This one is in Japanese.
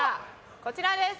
こちらです。